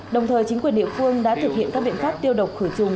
đồng thời chính quyền địa phương đã thực hiện các biện pháp tiêu độc khử trùng